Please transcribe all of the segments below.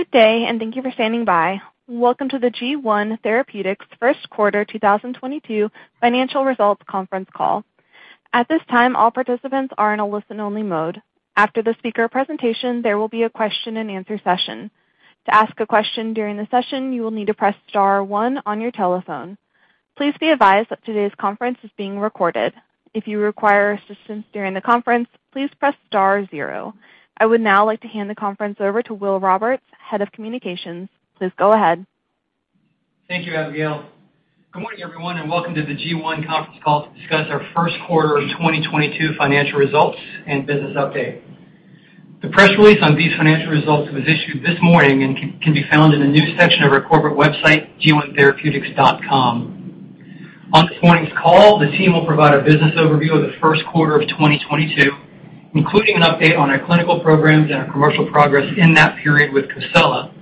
Good day, and thank you for standing by. Welcome to the G1 Therapeutics Q1 2022 Financial Results Conference Call. At this time, all participants are in a listen-only mode. After the speaker presentation, there will be a question-and-answer session. To ask a question during the session, you will need to press star one on your telephone. Please be advised that today's conference is being recorded. If you require assistance during the conference, please press star zero. I would now like to hand the conference over to Will Roberts, Head of Communications. Please go ahead. Thank you, Abigail. Good morning, everyone, and welcome to the G1 conference call to discuss our Q1 of 2022 financial results and business update. The press release on these financial results was issued this morning and can be found in the news section of our corporate website, g1therapeutics.com. On this morning's call, the team will provide a business overview of the Q1 of 2022, including an update on our clinical programs and our commercial progress in that period with COSELA,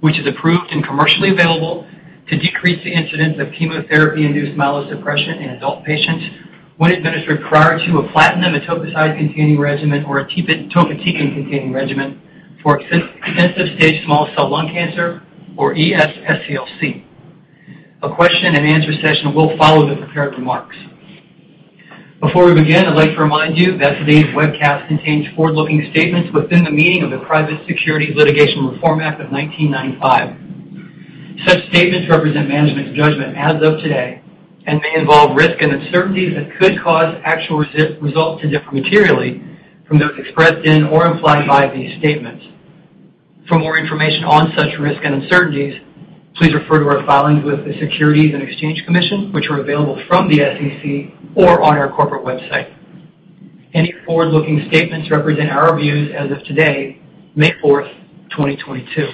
which is approved and commercially available to decrease the incidence of chemotherapy-induced myelosuppression in adult patients when administered prior to a platinum etoposide-containing regimen or a Topotecan-containing regimen for extensive stage small cell lung cancer, or ES-SCLC. A question-and-answer session will follow the prepared remarks. Before we begin, I'd like to remind you that today's webcast contains forward-looking statements within the meaning of the Private Securities Litigation Reform Act of 1995. Such statements represent management's judgment as of today and may involve risk and uncertainties that could cause actual results to differ materially from those expressed in or implied by these statements. For more information on such risks and uncertainties, please refer to our filings with the Securities and Exchange Commission, which are available from the SEC or on our corporate website. Any forward-looking statements represent our views as of today, 4 May, 2022.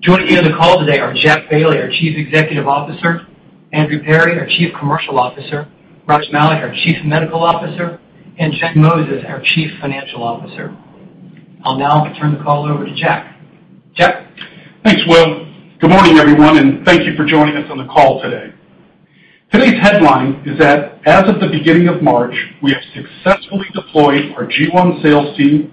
Joining me on the call today are Jack Bailey, our Chief Executive Officer; Andrew Perry, our Chief Commercial Officer; Raj Malik, our Chief Medical Officer; and Jen Moses, our Chief Financial Officer. I'll now turn the call over to Jack. Jack? Thanks, Will. Good morning, everyone, and thank you for joining us on the call today. Today's headline is that as of the beginning of March, we have successfully deployed our G1 sales team,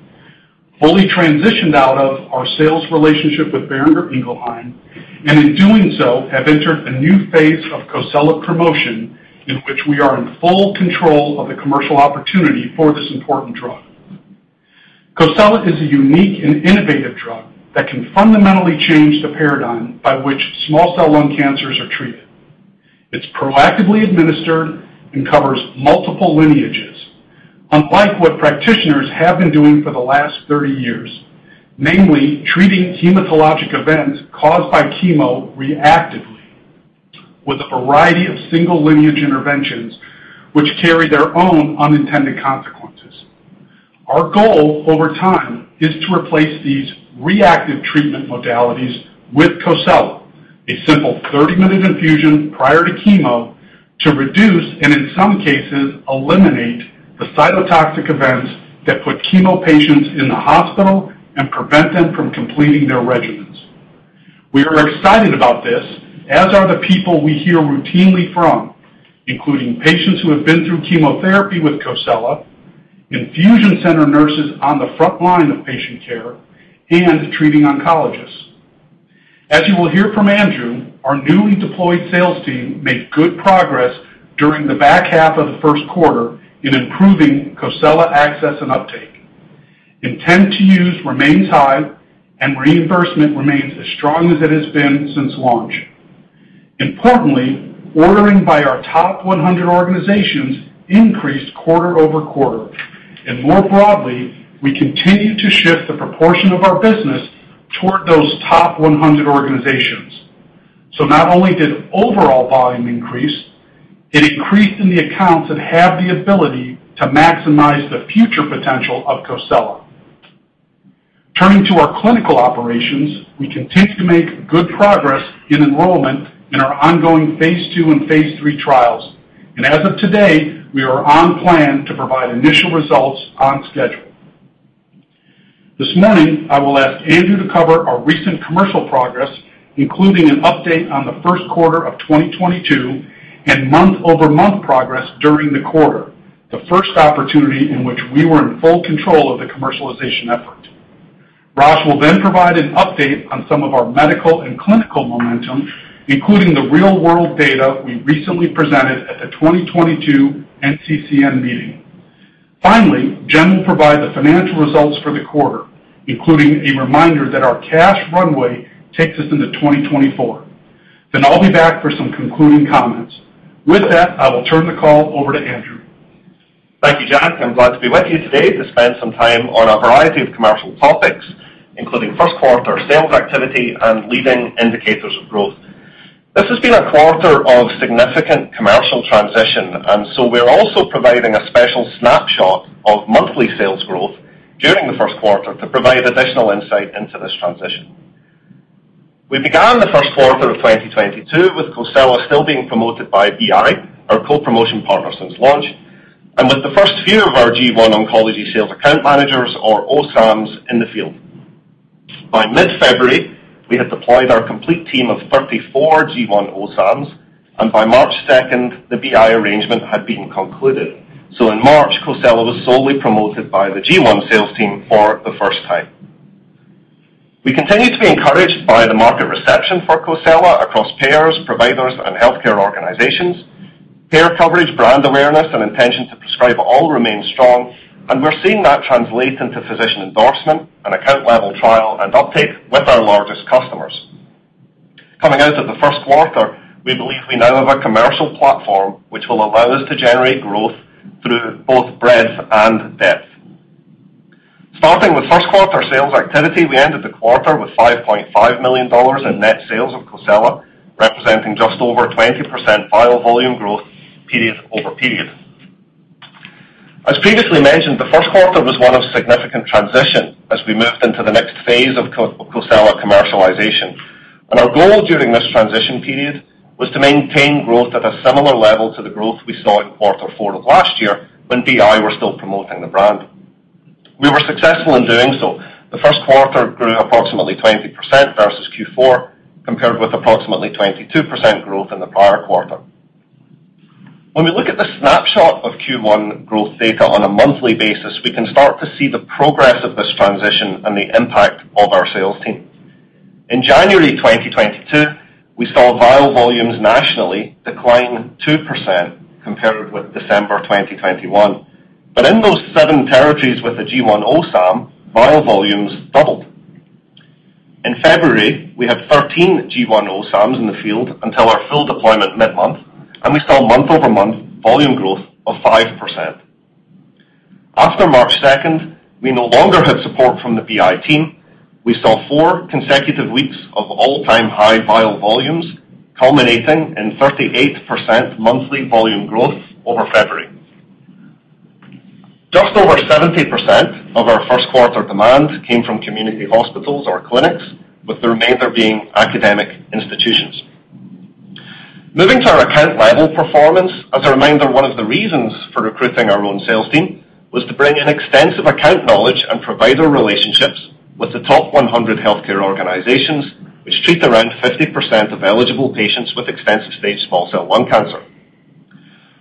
fully transitioned out of our sales relationship with Boehringer Ingelheim, and in doing so, have entered a new phase of Cosela promotion in which we are in full control of the commercial opportunity for this important drug. Cosela is a unique and innovative drug that can fundamentally change the paradigm by which small cell lung cancers are treated. It's proactively administered and covers multiple lineages, unlike what practitioners have been doing for the last 30 years, namely treating hematologic events caused by chemo reactively with a variety of single-lineage interventions which carry their own unintended consequences. Our goal over time is to replace these reactive treatment modalities with Cosela, a simple 30-minute infusion prior to chemo to reduce, and in some cases, eliminate the cytotoxic events that put chemo patients in the hospital and prevent them from completing their regimens. We are excited about this, as are the people we hear routinely from, including patients who have been through chemotherapy with Cosela, infusion center nurses on the front line of patient care, and treating oncologists. As you will hear from Andrew, our newly deployed sales team made good progress during the back half of the Q1 in improving Cosela access and uptake. Intent to use remains high and reimbursement remains as strong as it has been since launch. Importantly, ordering by our top 100 organizations increased quarter-over-quarter. More broadly, we continue to shift the proportion of our business toward those top 100 organizations. Not only did overall volume increase, it increased in the accounts that have the ability to maximize the future potential of COSELA. Turning to our clinical operations, we continue to make good progress in enrollment in our ongoing Phase II and Phase III trials. As of today, we are on plan to provide initial results on schedule. This morning, I will ask Andrew to cover our recent commercial progress, including an update on the Q1 of 2022 and month-over-month progress during the quarter, the first opportunity in which we were in full control of the commercialization effort. Raj will then provide an update on some of our medical and clinical momentum, including the real-world data we recently presented at the 2022 NCCN meeting. Finally, Jen will provide the financial results for the quarter, including a reminder that our cash runway takes us into 2024. I'll be back for some concluding comments. With that, I will turn the call over to Andrew. Thank you, Jack. I'm glad to be with you today to spend some time on a variety of commercial topics, including Q1 sales activity and leading indicators of growth. This has been a quarter of significant commercial transition, and so we're also providing a special snapshot of monthly sales growth during the Q1 to provide additional insight into this transition. We began the Q1 of 2022 with COSELA still being promoted by BI, our co-promotion partner since launch, and with the first few of our G1 oncology sales account managers, or OSAM, in the field. By mid-February. We have deployed our complete team of 34 G1 OSAM, and by 2 March, the BI arrangement had been concluded. In March, Cosela was solely promoted by the G1 sales team for the first time. We continue to be encouraged by the market reception for Cosela across payers, providers, and healthcare organizations. Payer coverage, brand awareness, and intention to prescribe all remain strong, and we're seeing that translate into physician endorsement and account level trial and uptake with our largest customers. Coming out of the Q1, we believe we now have a commercial platform which will allow us to generate growth through both breadth and depth. Starting with Q1 sales activity, we ended the quarter with $5.5 million in net sales of Cosela, representing just over 20% vial volume growth period-over-period. As previously mentioned, the Q1 was one of significant transition as we moved into the next phase of Cosela commercialization. Our goal during this transition period was to maintain growth at a similar level to the growth we saw in quarter four of last year when BI were still promoting the brand. We were successful in doing so. The Q1 grew approximately 20% versus Q4, compared with approximately 22% growth in the prior quarter. When we look at the snapshot of Q1 growth data on a monthly basis, we can start to see the progress of this transition and the impact of our sales team. In January 2022, we saw vial volumes nationally decline 2% compared with December 2021. In those seven territories with the G1 OSAM, vial volumes doubled. In February, we had 13 G1 OSAMs in the field until our full deployment mid-month, and we saw month-over-month volume growth of 5%. After 2 March, we no longer had support from the BI team. We saw four consecutive weeks of all-time high vial volumes, culminating in 38% monthly volume growth over February. Just over 70% of our Q1 demand came from community hospitals or clinics, with the remainder being academic institutions. Moving to our account level performance, as a reminder, one of the reasons for recruiting our own sales team was to bring in extensive account knowledge and provider relationships with the top 100 healthcare organizations which treat around 50% of eligible patients with extensive stage small cell lung cancer.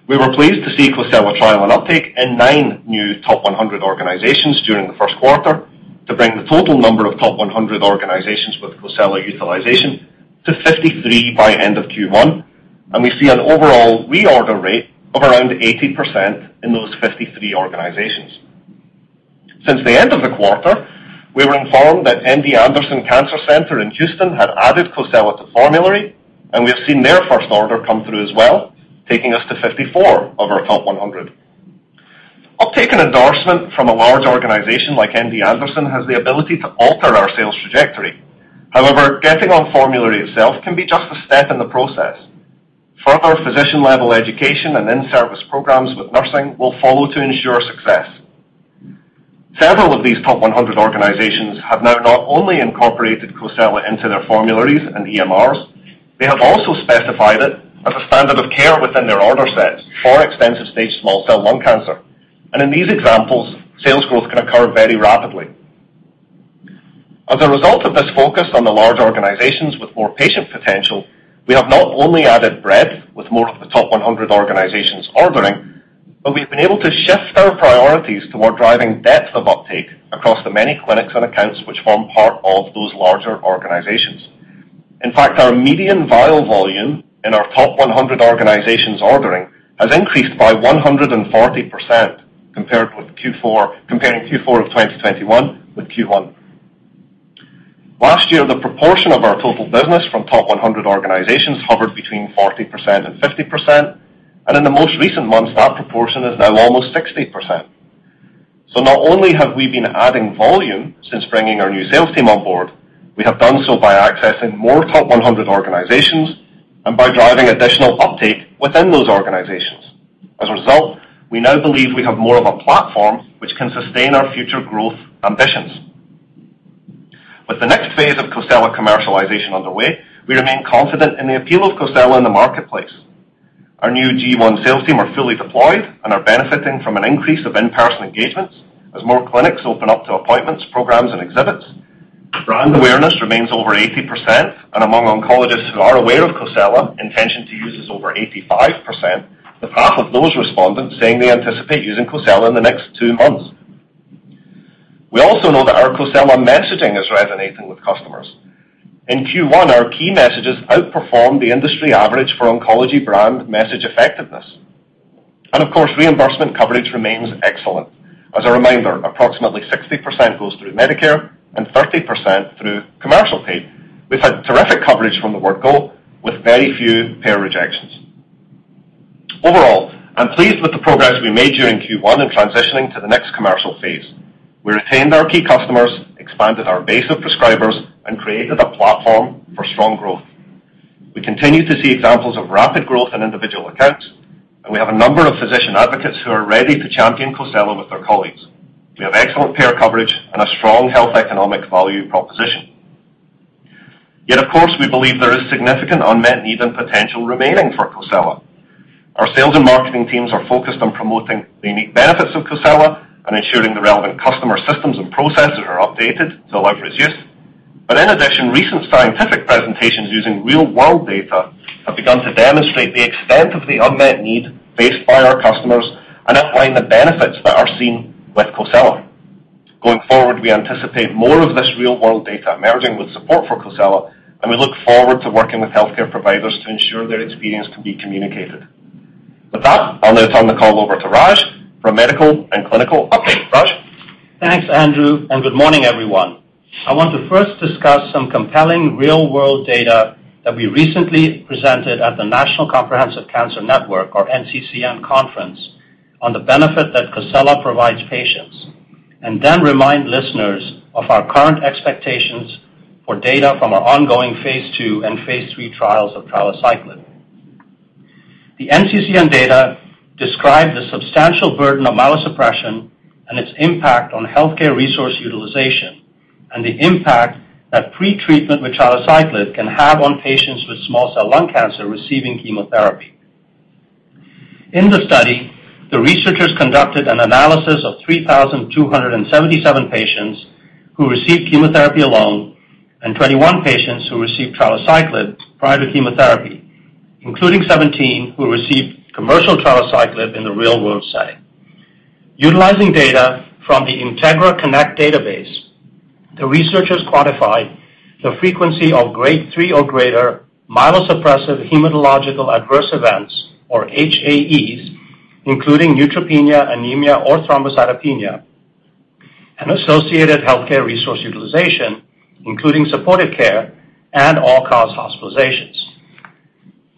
We were pleased to see COSELA trial and uptake in nine new top 100 organizations during the Q1 to bring the total number of top 100 organizations with COSELA utilization to 53 by end of Q1. We see an overall reorder rate of around 80% in those 53 organizations. Since the end of the quarter, we were informed that MD Anderson Cancer Center in Houston had added COSELA to formulary, and we have seen their first order come through as well, taking us to 54 of our top 100. Uptake and endorsement from a large organization like MD Anderson has the ability to alter our sales trajectory. However, getting on formulary itself can be just a step in the process. Further physician-level education and in-service programs with nursing will follow to ensure success. Several of these top 100 organizations have now not only incorporated COSELA into their formularies and EMRs, they have also specified it as a standard of care within their order sets for extensive-stage small cell lung cancer. In these examples, sales growth can occur very rapidly. As a result of this focus on the large organizations with more patient potential, we have not only added breadth with more of the top 100 organizations ordering, but we've been able to shift our priorities toward driving depth of uptake across the many clinics and accounts which form part of those larger organizations. In fact, our median vial volume in our top 100 organizations ordering has increased by 140% compared with Q4 comparing Q4 of 2021 with Q1. Last year, the proportion of our total business from top 100 organizations hovered between 40% and 50%, and in the most recent months, that proportion is now almost 60%. Not only have we been adding volume since bringing our new sales team on board, we have done so by accessing more top 100 organizations and by driving additional uptake within those organizations. As a result, we now believe we have more of a platform which can sustain our future growth ambitions. With the next phase of COSELA commercialization underway, we remain confident in the appeal of COSELA in the marketplace. Our new G1 sales team are fully deployed and are benefiting from an increase of in-person engagements as more clinics open up to appointments, programs, and exhibits. Brand awareness remains over 80%, and among oncologists who are aware of COSELA, intention to use is over 85%, with half of those respondents saying they anticipate using COSELA in the next two months. We also know that our COSELA messaging is resonating with customers. In Q1, our key messages outperformed the industry average for oncology brand message effectiveness. Of course, reimbursement coverage remains excellent. As a reminder, approximately 60% goes through Medicare and 30% through commercial pay. We've had terrific coverage from the word go with very few payer rejections. Overall, I'm pleased with the progress we made during Q1 in transitioning to the next commercial phase. We retained our key customers, expanded our base of prescribers, and created a platform for strong growth. We continue to see examples of rapid growth in individual accounts, and we have a number of physician advocates who are ready to champion COSELA with their colleagues. We have excellent payer coverage and a strong health economic value proposition. Yet, of course, we believe there is significant unmet need and potential remaining for COSELA. Our sales and marketing teams are focused on promoting the unique benefits of COSELA and ensuring the relevant customer systems and processes are updated to allow for its use. But in addition, recent scientific presentations using real-world data have begun to demonstrate the extent of the unmet need faced by our customers and outline the benefits that are seen with COSELA. Going forward, we anticipate more of this real-world data merging with support for COSELA, and we look forward to working with healthcare providers to ensure their experience can be communicated. With that, I'll now turn the call over to Raj for medical and clinical updates. Raj? Thanks, Andrew, and good morning, everyone. I want to first discuss some compelling real-world data that we recently presented at the National Comprehensive Cancer Network, or NCCN, conference on the benefit that Cosela provides patients, and then remind listeners of our current expectations for data from our ongoing Phase II and Phase III trials of trilaciclib. The NCCN data describe the substantial burden of myelosuppression and its impact on healthcare resource utilization and the impact that pretreatment with trilaciclib can have on patients with small cell lung cancer receiving chemotherapy. In the study, the researchers conducted an analysis of 3,277 patients who received chemotherapy alone and 21 patients who received trilaciclib prior to chemotherapy, including 17 who received commercial trilaciclib in a real-world setting. Utilizing data from the Integra Connect database, the researchers quantified the frequency of Grade 3 or greater myelosuppressive hematological adverse events, or HAEs, including neutropenia, anemia, or thrombocytopenia, and associated healthcare resource utilization, including supportive care and all-cause hospitalizations.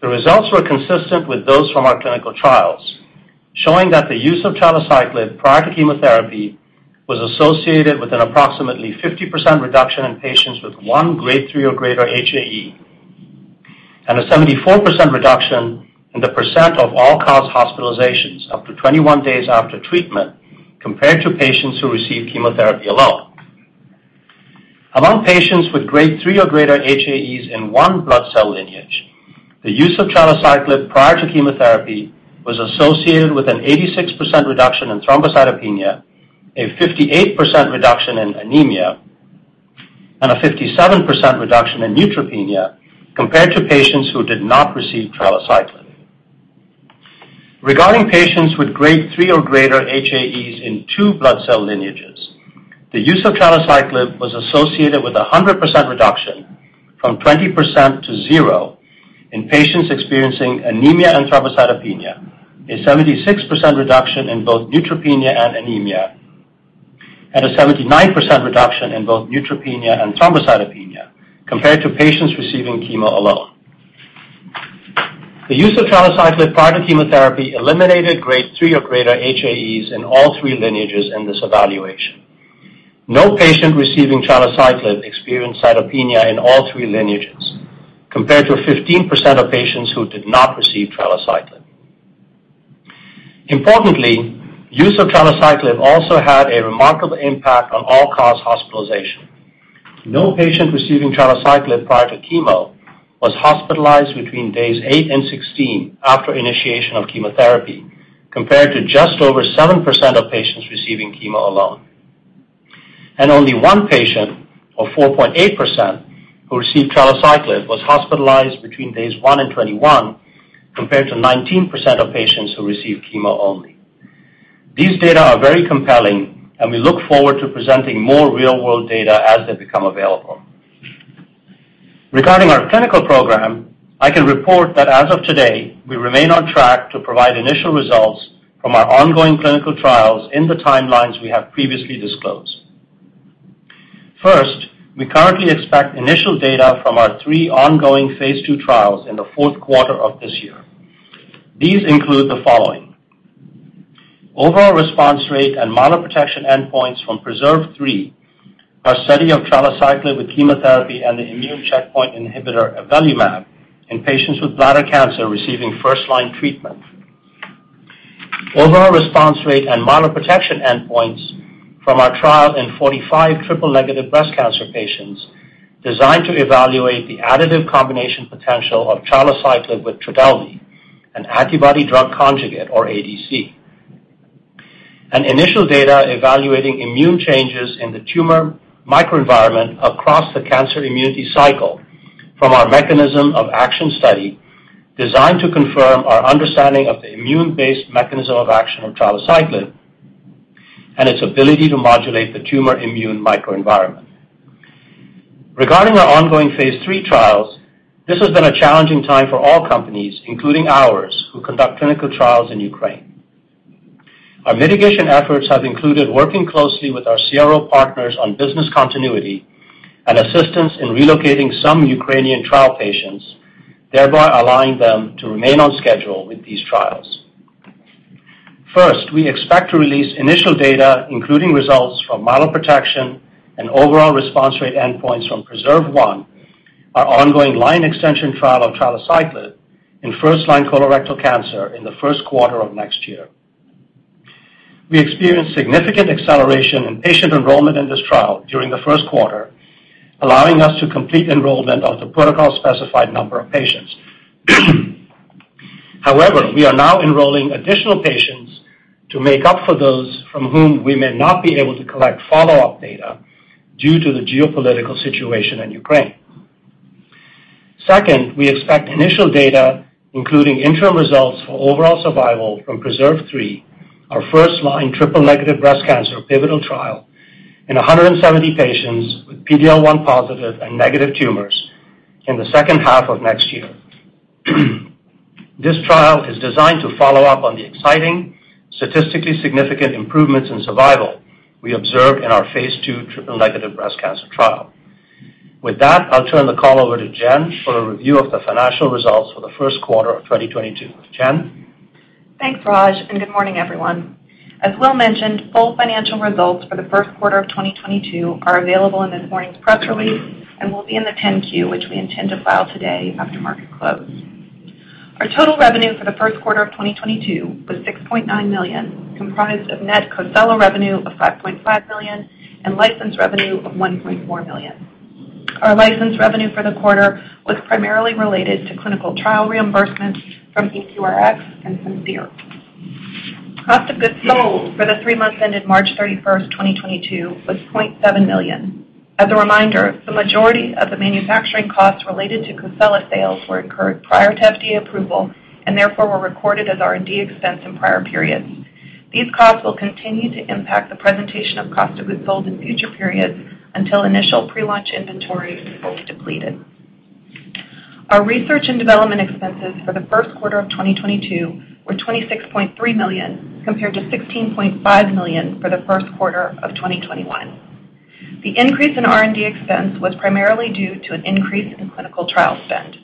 The results were consistent with those from our clinical trials, showing that the use of trilaciclib prior to chemotherapy was associated with an approximately 50% reduction in patients with one Grade 3 or greater HAE and a 74% reduction in the percent of all-cause hospitalizations up to 21 days after treatment compared to patients who received chemotherapy alone. Among patients with Grade 3 or greater HAEs in one blood cell lineage, the use of trilaciclib prior to chemotherapy was associated with an 86% reduction in thrombocytopenia, a 58% reduction in anemia, and a 57% reduction in neutropenia compared to patients who did not receive trilaciclib. Regarding patients with Grade 3 or greater HAEs in two blood cell lineages, the use of trilaciclib was associated with 100% reduction from 20% to 0 in patients experiencing anemia and thrombocytopenia, a 76% reduction in both neutropenia and anemia, and a 79% reduction in both neutropenia and thrombocytopenia compared to patients receiving chemo alone. The use of trilaciclib prior to chemotherapy eliminated Grade 3 or greater HAEs in all three lineages in this evaluation. No patient receiving trilaciclib experienced cytopenia in all three lineages, compared to 15% of patients who did not receive trilaciclib. Importantly, use of trilaciclib also had a remarkable impact on all-cause hospitalization. No patient receiving trilaciclib prior to chemo was hospitalized between days eight and 16 after initiation of chemotherapy, compared to just over 7% of patients receiving chemo alone. Only one patient, or 4.8%, who received trilaciclib, was hospitalized between days one and 21, compared to 19% of patients who received chemo only. These data are very compelling, and we look forward to presenting more real-world data as they become available. Regarding our clinical program, I can report that as of today, we remain on track to provide initial results from our ongoing clinical trials in the timelines we have previously disclosed. First, we currently expect initial data from our three ongoing Phase II trials in the Q4 of this year. These include the following. Overall response rate and myeloprotection endpoints from PRESERVE 3, our study of trilaciclib with chemotherapy and the immune checkpoint inhibitor avelumab in patients with bladder cancer receiving first-line treatment. Overall response rate and myeloprotection endpoints from our trial in 45 triple-negative breast cancer patients designed to evaluate the additive combination potential of trilaciclib with Trodelvy, an antibody-drug conjugate or ADC. Initial data evaluating immune changes in the tumor microenvironment across the cancer immunity cycle from our mechanism of action study designed to confirm our understanding of the immune-based mechanism of action of trilaciclib and its ability to modulate the tumor immune microenvironment. Regarding our ongoing Phase III trials, this has been a challenging time for all companies, including ours, who conduct clinical trials in Ukraine. Our mitigation efforts have included working closely with our CRO partners on business continuity and assistance in relocating some Ukrainian trial patients, thereby allowing them to remain on schedule with these trials. First, we expect to release initial data, including results from myeloprotection and overall response rate endpoints from PRESERVE 1, our ongoing line extension trial of trilaciclib in first-line colorectal cancer in the Q1 of next year. We experienced significant acceleration in patient enrollment in this trial during the Q1, allowing us to complete enrollment of the protocol specified number of patients. However, we are now enrolling additional patients to make up for those from whom we may not be able to collect follow-up data due to the geopolitical situation in Ukraine. Second, we expect initial data, including interim results for overall survival from PRESERVE 3, our first-line triple-negative breast cancer pivotal trial in 170 patients with PD-L1 positive and negative tumors in the second half of next year. This trial is designed to follow up on the exciting, statistically significant improvements in survival we observed in our Phase II triple-negative breast cancer trial. With that, I'll turn the call over to Jen for a review of the financial results for the Q1 of 2022. Jen? Thanks, Raj, and good morning, everyone. As Will mentioned, full financial results for the Q1 of 2022 are available in this morning's press release and will be in the 10-Q, which we intend to file today after market close. Our total revenue for the Q1 of 2022 was $6.9 million, comprised of net Cosela revenue of $5.5 million and license revenue of $1.4 million. Our license revenue for the quarter was primarily related to clinical trial reimbursements from EQRx and Simcere. Cost of goods sold for the three months ended 31 March 2022 was $0.7 million. As a reminder, the majority of the manufacturing costs related to Cosela sales were incurred prior to FDA approval and therefore were recorded as R&D expense in prior periods. These costs will continue to impact the presentation of cost of goods sold in future periods until initial pre-launch inventory is fully depleted. Our research and development expenses for the Q1 of 2022 were $26.3 million, compared to $16.5 million for the Q1 of 2021. The increase in R&D expense was primarily due to an increase in clinical trial spend.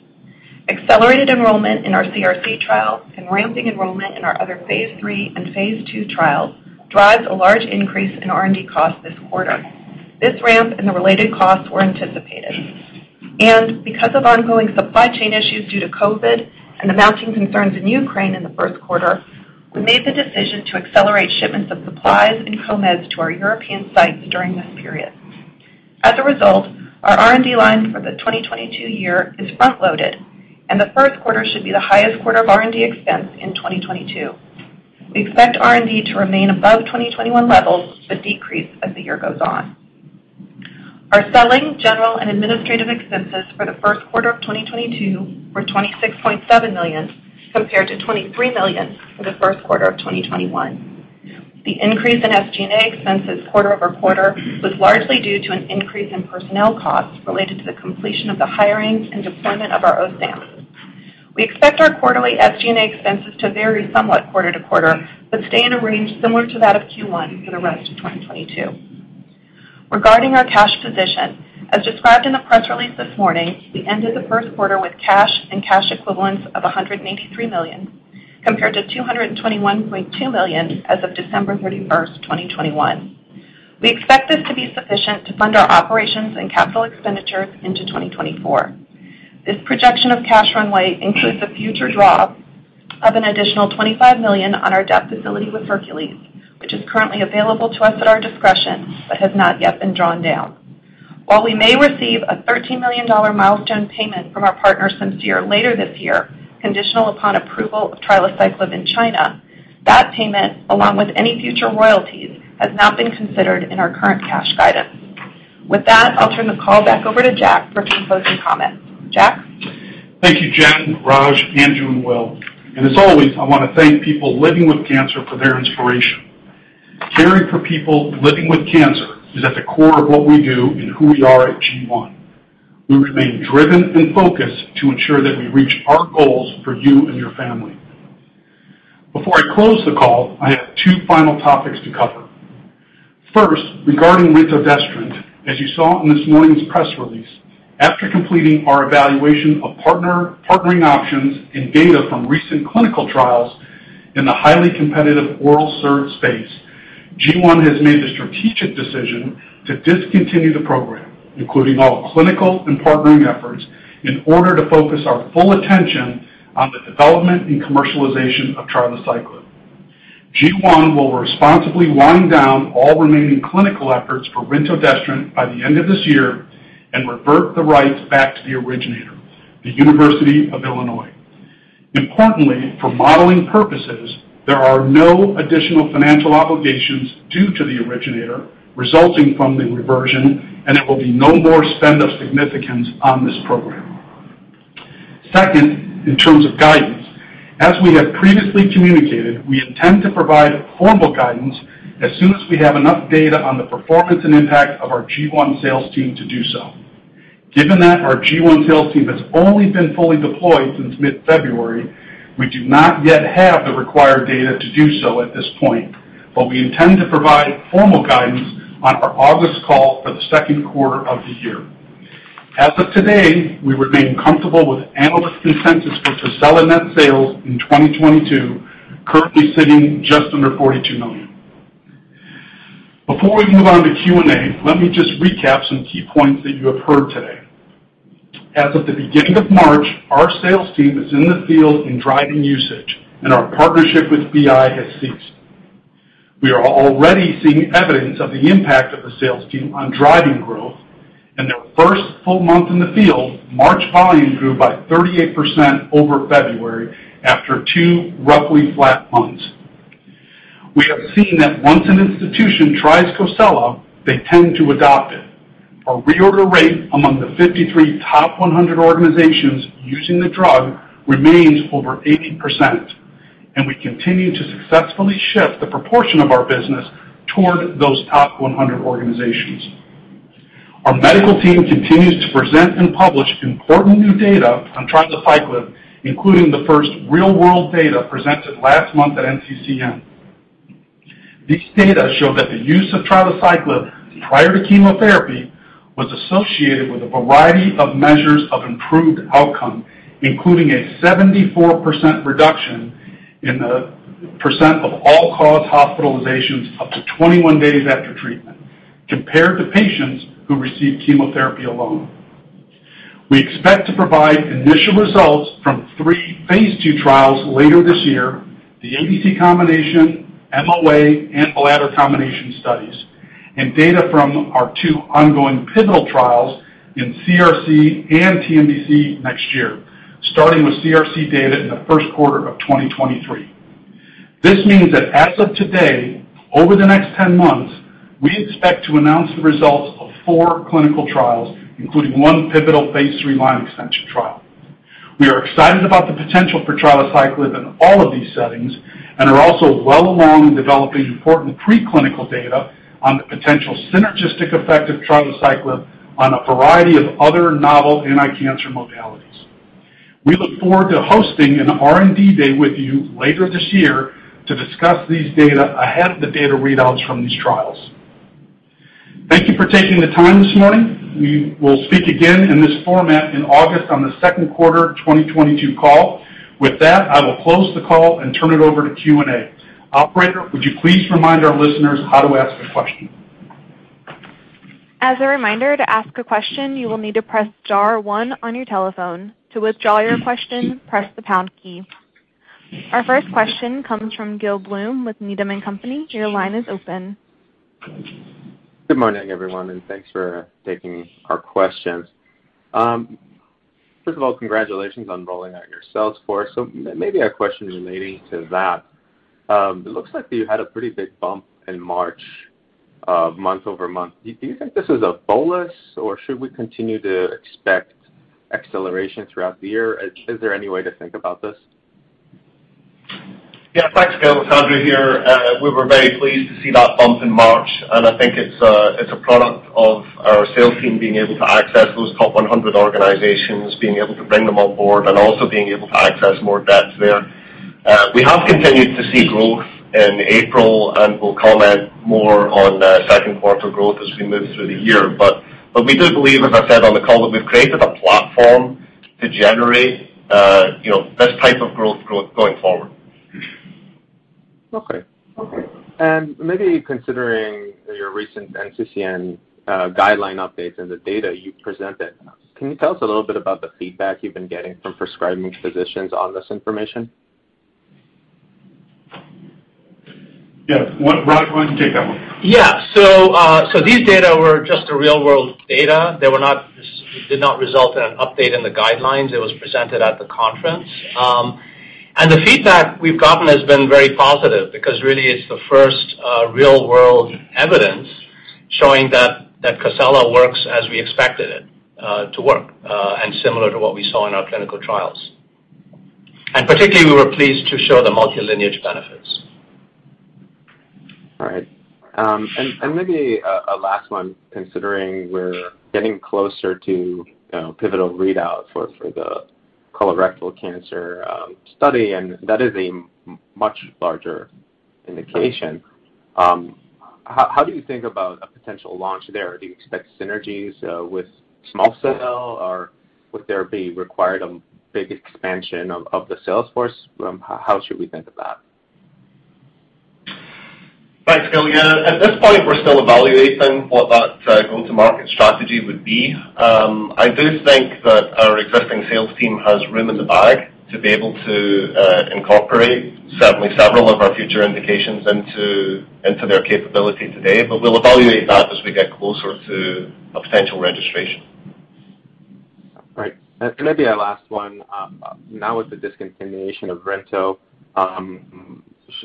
Accelerated enrollment in our CRC trial and ramping enrollment in our other Phase III and Phase II trials drives a large increase in R&D costs this quarter. This ramp and the related costs were anticipated. Because of ongoing supply chain issues due to COVID and the mounting concerns in Ukraine in the Q1, we made the decision to accelerate shipments of supplies and co-meds to our European sites during this period. As a result, our R&D line for the 2022 year is front-loaded, and the Q1r should be the highest quarter of R&D expense in 2022. We expect R&D to remain above 2021 levels but decrease as the year goes on. Our selling, general, and administrative expenses for the Q1 of 2022 were $26.7 million, compared to $23 million for the Q1 of 2021. The increase in SG&A expenses quarter-over-quarter was largely due to an increase in personnel costs related to the completion of the hiring and deployment of our OSAM. We expect our quarterly SG&A expenses to vary somewhat quarter-over-quarter, but stay in a range similar to that of Q1 for the rest of 2022. Regarding our cash position, as described in the press release this morning, we ended the Q1 with cash and cash equivalents of $183 million, compared to $221.2 million as of 31 December 2021. We expect this to be sufficient to fund our operations and capital expenditures into 2024. This projection of cash runway includes a future draw of an additional $25 million on our debt facility with Hercules, which is currently available to us at our discretion but has not yet been drawn down. While we may receive a $13 million milestone payment from our partner Simcere later this year, conditional upon approval of trilaciclib in China, that payment, along with any future royalties, has not been considered in our current cash guidance. With that, I'll turn the call back over to Jack for concluding comments. Jack? Thank you, Jen, Raj, Andrew, and Will. As always, I wanna thank people living with cancer for their inspiration. Caring for people living with cancer is at the core of what we do and who we are at G1. We remain driven and focused to ensure that we reach our goals for you and your family. Before I close the call, I have two final topics to cover. First, regarding rintodestrant, as you saw in this morning's press release, after completing our evaluation of partnering options and data from recent clinical trials in the highly competitive oral SERD space, G1 has made the strategic decision to discontinue the program, including all clinical and partnering efforts, in order to focus our full attention on the development and commercialization of trilaciclib. G1 will responsibly wind down all remaining clinical efforts for rintodestrant by the end of this year and revert the rights back to the originator, the University of Illinois. Importantly, for modeling purposes, there are no additional financial obligations due to the originator resulting from the reversion, and there will be no more spend of significance on this program. Second, in terms of guidance, as we have previously communicated, we intend to provide formal guidance as soon as we have enough data on the performance and impact of our G1 sales team to do so. Given that our G1 sales team has only been fully deployed since mid-February, we do not yet have the required data to do so at this point, but we intend to provide formal guidance on our August call for the Q2 of the year. As of today, we remain comfortable with analyst consensus for COSELA net sales in 2022 currently sitting just under $42 million. Before we move on to Q&A, let me just recap some key points that you have heard today. As of the beginning of March, our sales team is in the field and driving usage, and our partnership with BI has ceased. We are already seeing evidence of the impact of the sales team on driving growth. In their first full month in the field, March volume grew by 38% over February after two roughly flat months. We have seen that once an institution tries COSELA, they tend to adopt it. Our reorder rate among the 53 top 100 organizations using the drug remains over 80%, and we continue to successfully shift the proportion of our business toward those top 100 organizations. Our medical team continues to present and publish important new data on trilaciclib, including the first real-world data presented last month at NCCN. These data show that the use of trilaciclib prior to chemotherapy was associated with a variety of measures of improved outcome, including a 74% reduction in the percent of all-cause hospitalizations up to 21 days after treatment compared to patients who received chemotherapy alone. We expect to provide initial results from three Phase II trials later this year, the ADC combination, MOA, and bladder combination studies, and data from our two ongoing pivotal trials in CRC and TNBC next year, starting with CRC data in the Q1 of 2023. This means that as of today, over the next 10 months, we expect to announce the results of four clinical trials, including one pivotal Phase III line extension trial. We are excited about the potential for trilaciclib in all of these settings and are also well along in developing important preclinical data on the potential synergistic effect of trilaciclib on a variety of other novel anti-cancer modalities. We look forward to hosting an R&D Day with you later this year to discuss these data ahead of the data readouts from these trials. Thank you for taking the time this morning. We will speak again in this format in August on the Q2 2022 call. With that, I will close the call and turn it over to Q&A. Operator, would you please remind our listeners how to ask a question? As a reminder, to ask a question, you will need to press star one on your telephone. To withdraw your question, press the pound key. Our first question comes from Gil Blum with Needham & Company. Your line is open. Good morning, everyone, and thanks for taking our questions. First of all, congratulations on rolling out your sales force. Maybe a question relating to that. It looks like you had a pretty big bump in March month-over-month. Do you think this is a bolus, or should we continue to expect acceleration throughout the year? Is there any way to think about this? Yeah. Thanks, Gil. It's Andrew here. We were very pleased to see that bump in March, and I think it's a product of our sales team being able to access those top 100 organizations, being able to bring them on board, and also being able to access more depth there. We have continued to see growth in April, and we'll comment more on Q2 growth as we move through the year, but we do believe, as I said on the call, that we've created a platform to generate, you know, this type of growth going forward. Okay. Maybe considering your recent NCCN guideline updates and the data you presented, can you tell us a little bit about the feedback you've been getting from prescribing physicians on this information? Yeah. Raj, why don't you take that one? Yeah. These data were just real-world data. They did not result in an update in the guidelines. It was presented at the conference. The feedback we've gotten has been very positive because really it's the first real-world evidence showing that COSELA works as we expected it to work and similar to what we saw in our clinical trials. Particularly, we were pleased to show the multi-lineage benefits. All right. Maybe a last one considering we're getting closer to, you know, pivotal readout for the colorectal cancer study, and that is a much larger indication. How do you think about a potential launch there? Do you expect synergies with small cell, or would there be required a big expansion of the sales force? How should we think of that? Thanks, Gil. Yeah. At this point, we're still evaluating what that go-to-market strategy would be. I do think that our existing sales team has room in the bag to be able to incorporate certainly several of our future indications into their capability today, but we'll evaluate that as we get closer to a potential registration. All right. Maybe a last one. Now with the discontinuation of rintodestrant,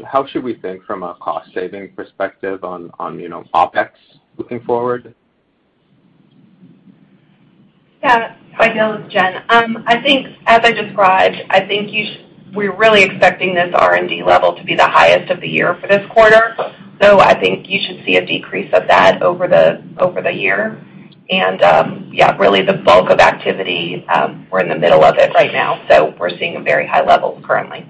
how should we think from a cost-saving perspective on you know, OpEx looking forward? Yeah. Hi, Gil, it's Jen. I think as I described, I think we're really expecting this R&D level to be the highest of the year for this quarter. I think you should see a decrease of that over the year. Really the bulk of activity, we're in the middle of it right now, so we're seeing a very high level currently.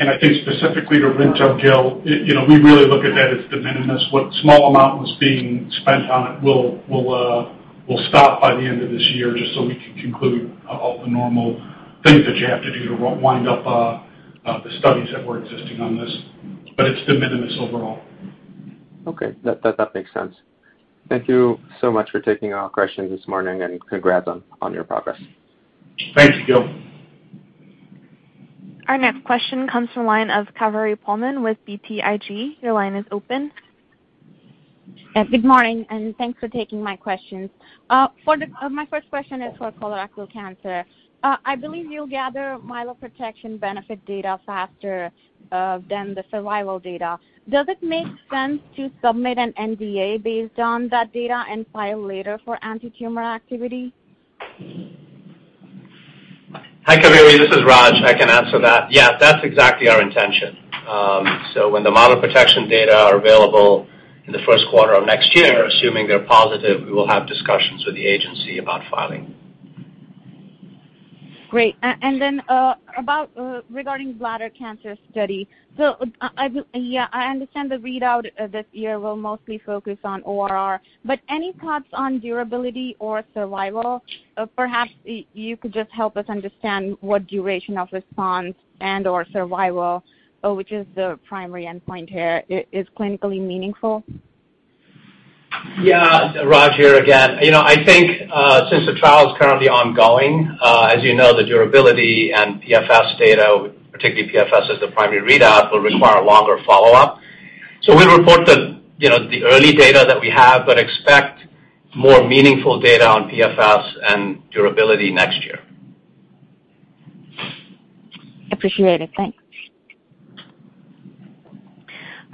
I think specifically to rintodestrant, Gil, it—you know, we really look at that as de minimis. What small amount was being spent on it will stop by the end of this year, just so we can conclude all the normal things that you have to do to wind up. The studies that were existing on this, but it's de minimis overall. Okay. That makes sense. Thank you so much for taking all questions this morning, and congrats on your progress. Thanks, Gil. Our next question comes from the line of Kaveri Pohlman with BTIG. Your line is open. Good morning, and thanks for taking my questions. My first question is for colorectal cancer. I believe you'll gather myeloprotection benefit data faster than the survival data. Does it make sense to submit an NDA based on that data and file later for antitumor activity? Hi, Kaveri. This is Raj. I can answer that. Yeah, that's exactly our intention. When the myeloprotection data are available in the Q1 of next year, assuming they're positive, we will have discussions with the agency about filing. Great. About, regarding bladder cancer study. I understand the readout this year will mostly focus on ORR, but any thoughts on durability or survival? Perhaps you could just help us understand what duration of response and/or survival, which is the primary endpoint here, is clinically meaningful. Yeah. Raj here again. You know, I think, since the trial is currently ongoing, as you know, the durability and PFS data, particularly PFS as the primary readout, will require longer follow-up. We report the, you know, the early data that we have, but expect more meaningful data on PFS and durability next year. Appreciated. Thanks.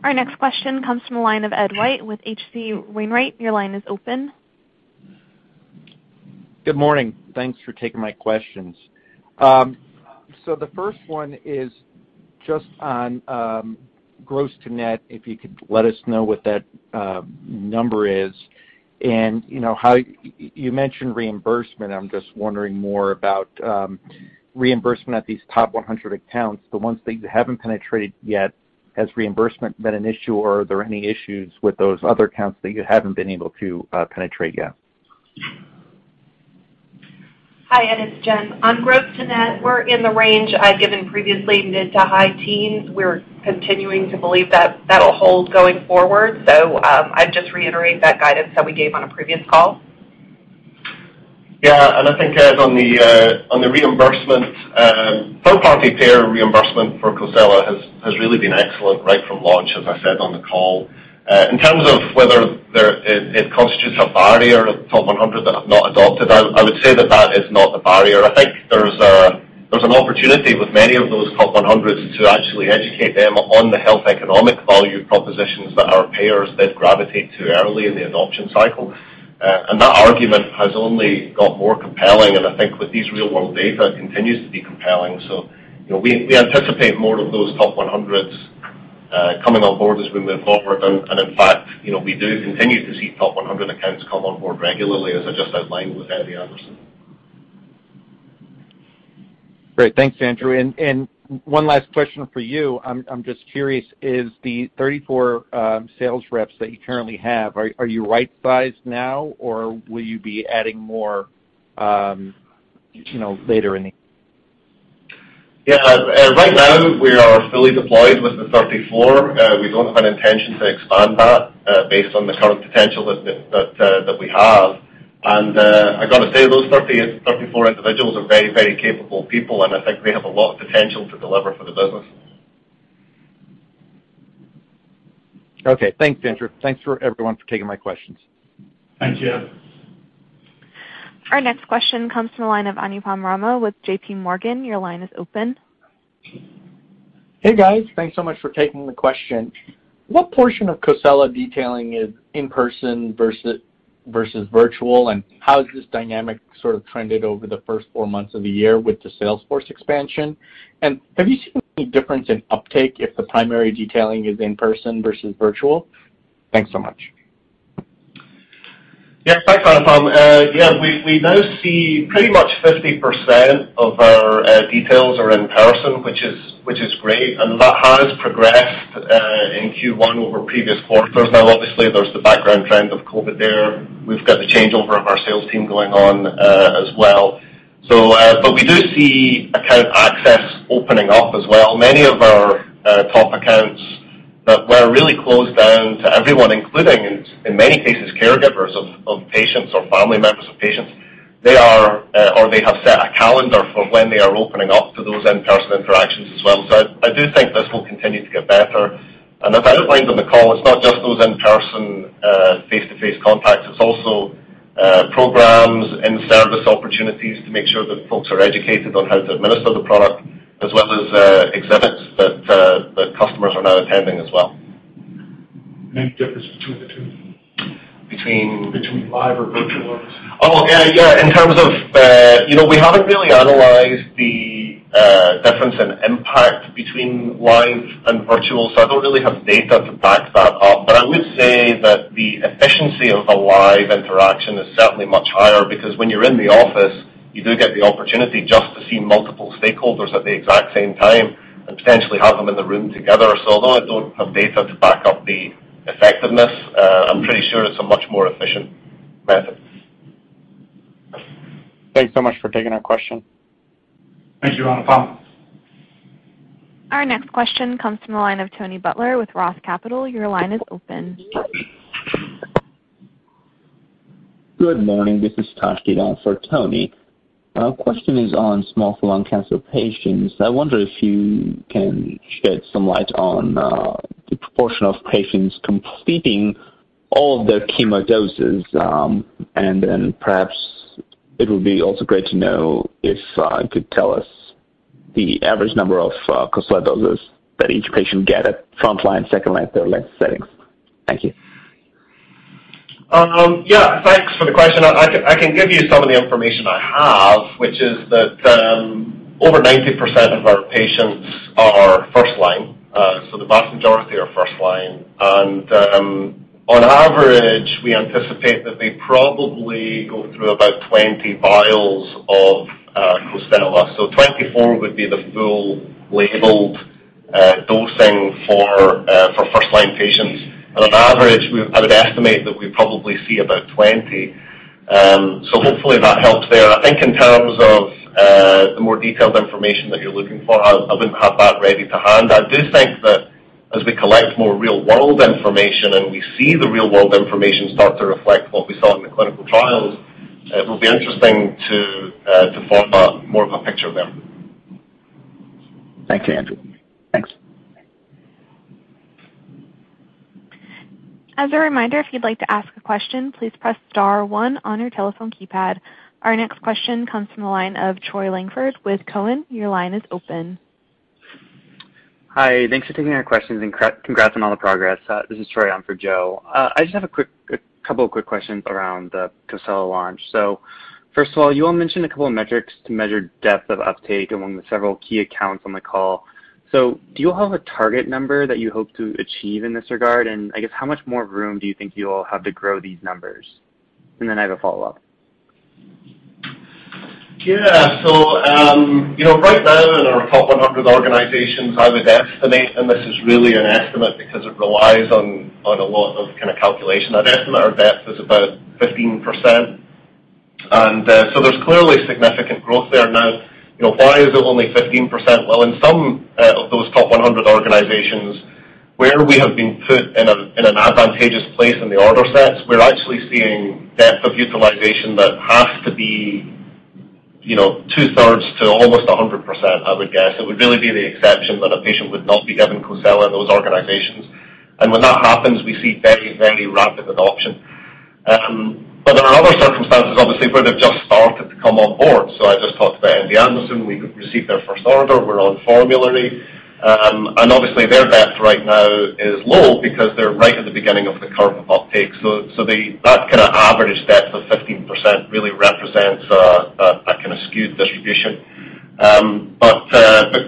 Our next question comes from the line of Edward White with H.C. Wainwright. Your line is open. Good morning. Thanks for taking my questions. The first one is just on gross to net, if you could let us know what that number is. You mentioned reimbursement. I'm just wondering more about reimbursement at these top 100 accounts, the ones that you haven't penetrated yet. Has reimbursement been an issue, or are there any issues with those other accounts that you haven't been able to penetrate yet? Hi, Ed. It's Jen. On gross to net, we're in the range I'd given previously, mid- to high teens%. We're continuing to believe that that'll hold going forward. I'd just reiterate that guidance that we gave on a previous call. Yeah. I think, Ed, on the reimbursement, third-party payer reimbursement for COSELA has really been excellent right from launch, as I said on the call. In terms of whether it constitutes a barrier to the top 100 that have not adopted, I would say that is not a barrier. I think there's an opportunity with many of those top 100s to actually educate them on the health economic value propositions that our payers did gravitate to early in the adoption cycle. And that argument has only got more compelling, and I think with these real-world data, it continues to be compelling. You know, we anticipate more of those top 100s coming on board as we move forward. In fact, you know, we do continue to see top 100 accounts come on board regularly, as I just outlined with MD Anderson. Great. Thanks, Andrew. One last question for you. I'm just curious, is the 34 sales reps that you currently have, are you right-sized now, or will you be adding more, you know, later in the year? Yeah. Right now we are fully deployed with the 34. We don't have an intention to expand that, based on the current potential that we have. I gotta say, those 34 individuals are very, very capable people, and I think they have a lot of potential to deliver for the business. Okay. Thanks, Andrew. Thanks, everyone, for taking my questions. Thanks, Ed. Our next question comes from the line of Anupam Rama with J.P. Morgan. Your line is open. Hey, guys. Thanks so much for taking the question. What portion of COSELA detailing is in person versus virtual, and how has this dynamic sort of trended over the first four months of the year with the sales force expansion? Have you seen any difference in uptake if the primary detailing is in person versus virtual? Thanks so much. Yes. Thanks, Anupam. Yeah, we now see pretty much 50% of our details are in person, which is great, and that has progressed in Q1 over previous quarters. Now, obviously there's the background trend of COVID there. We've got the changeover of our sales team going on as well. We do see account access opening up as well. Many of our top accounts that were really closed down to everyone, including in many cases, caregivers of patients or family members of patients, they are or they have set a calendar for when they are opening up to those in-person interactions as well. I do think this will continue to get better. As I outlined on the call, it's not just those in-person, face-to-face contacts, it's also programs and service opportunities to make sure that folks are educated on how to administer the product, as well as exhibits that customers are now attending as well. Any difference between the two? Between? Between live or virtual. Oh, yeah. In terms of, you know, we haven't really analyzed the difference in impact between live and virtual, so I don't really have data to back that up. I would say that the efficiency of a live interaction is certainly much higher because when you're in the office, you do get the opportunity just to see multiple stakeholders at the exact same time and potentially have them in the room together. Although I don't have data to back up the effectiveness, I'm pretty sure it's a much more efficient method. Thanks so much for taking our question. Thank you Anupam. Our next question comes from the line of Tony Butler with Roth Capital. Your line is open. Good morning. This is Taz Koujalgi for Tony. Our question is on small cell lung cancer patients. I wonder if you can shed some light on the proportion of patients completing all their chemo doses. Perhaps it would be also great to know if you could tell us the average number of Cosela doses that each patient gets at frontline, second line, third line settings. Thank you. Yeah, thanks for the question. I can give you some of the information I have, which is that, over 90% of our patients are first line. The vast majority are first line. On average, we anticipate that they probably go through about 20 vials of COSELA. 24 would be the full labeled dosing for first line patients. But on average, I would estimate that we probably see about 20. Hopefully that helps there. I think in terms of the more detailed information that you're looking for, I wouldn't have that ready to hand. I do think that as we collect more real-world information and we see the real-world information start to reflect what we saw in the clinical trials, it will be interesting to form a more of a picture there. Thank you, Andrew. Thanks. As a reminder, if you'd like to ask a question, please press star one on your telephone keypad. Our next question comes from the line of Troy Langford with Cowen. Your line is open. Hi. Thanks for taking our questions, and congrats on all the progress. This is Troy Langford for Joe. I just have a couple of quick questions around the Cosela launch. First of all, you all mentioned a couple of metrics to measure depth of uptake among the several key accounts on the call. Do you all have a target number that you hope to achieve in this regard? I guess, how much more room do you think you all have to grow these numbers? I have a follow-up. Yeah. You know, right now in our top 100 organizations, I would estimate, and this is really an estimate because it relies on a lot of kind of calculation. I'd estimate our depth is about 15%. There's clearly significant growth there. Now, you know, why is it only 15%? Well, in some of those top 100 organizations, where we have been put in an advantageous place in the order sets, we're actually seeing depth of utilization that has to be, you know, two-thirds to almost 100%, I would guess. It would really be the exception that a patient would not be given COSELA in those organizations. And when that happens, we see very, very rapid adoption. But there are other circumstances obviously where they've just started to come on board. I just talked about MD Anderson. We received their first order. We're on formulary. Obviously their depth right now is low because they're right at the beginning of the curve of uptake. That kinda average depth of 15% really represents a kinda skewed distribution.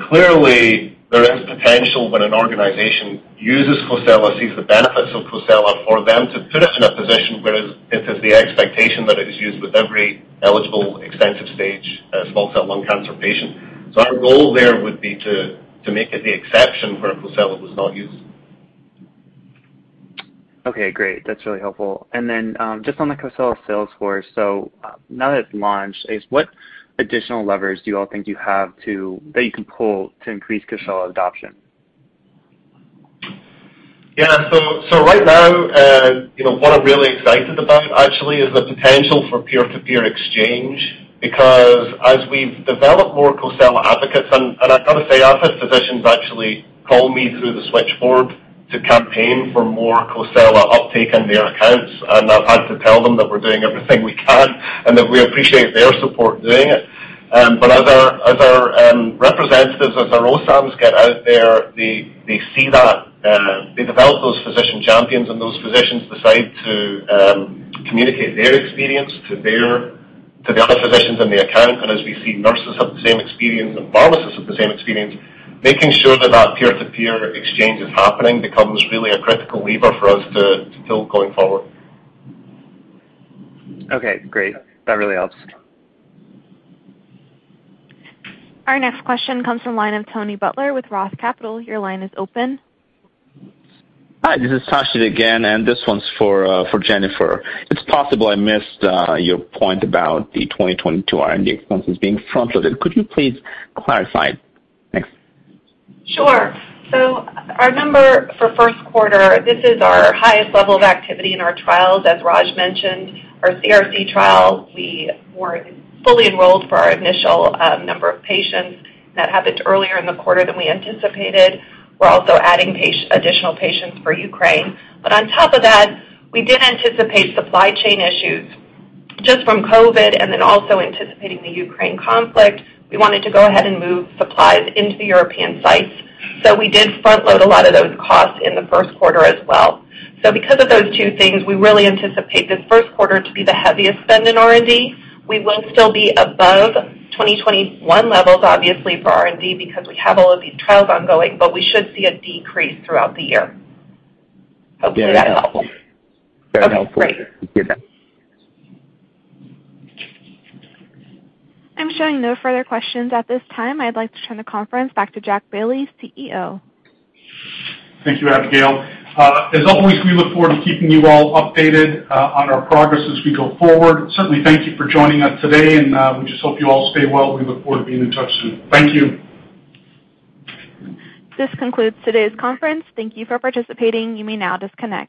Clearly there is potential when an organization uses COSELA, sees the benefits of COSELA for them to put it in a position where it is the expectation that it is used with every eligible extensive-stage small cell lung cancer patient. Our goal there would be to make it the exception where COSELA was not used. Okay, great. That's really helpful. Just on the COSELA sales force. Now that it's launched, what additional levers do you all think you have that you can pull to increase COSELA adoption? Yeah. Right now, you know, what I'm really excited about actually is the potential for peer-to-peer exchange because as we've developed more COSELA advocates and I've gotta say, I've had physicians actually call me through the switchboard to campaign for more COSELA uptake in their accounts. I've had to tell them that we're doing everything we can and that we appreciate their support doing it. As our representatives, as our OSAM get out there, they see that they develop those physician champions, and those physicians decide to communicate their experience to the other physicians in the account. We see nurses have the same experience and pharmacists have the same experience, making sure that peer-to-peer exchange is happening becomes really a critical lever for us to build going forward. Okay, great. That really helps. Our next question comes from the line of Tony Butler with Roth Capital. Your line is open. Hi, this is Taz again, and this one's for Jennifer. It's possible I missed your point about the 2022 R&D expenses being front-loaded. Could you please clarify? Thanks. Sure. Our number for Q1, this is our highest level of activity in our trials, as Raj mentioned. Our CRC trial, we were fully enrolled for our initial number of patients. That happened earlier in the quarter than we anticipated. We're also adding additional patients for Ukraine. On top of that, we did anticipate supply chain issues just from COVID and then also anticipating the Ukraine conflict. We wanted to go ahead and move supplies into the European sites. We did front-load a lot of those costs in the Q1 as well. Because of those two things, we really anticipate this Q1 to be the heaviest spend in R&D. We will still be above 2021 levels obviously for R&D because we have all of these trials ongoing, but we should see a decrease throughout the year. Hopefully that helps. Very helpful. Okay, great. Thank you. I'm showing no further questions at this time. I'd like to turn the conference back to Jack Bailey, CEO. Thank you, Abigail. As always, we look forward to keeping you all updated on our progress as we go forward. Certainly thank you for joining us today, and we just hope you all stay well. We look forward to being in touch soon. Thank you. This concludes today's conference. Thank you for participating. You may now disconnect.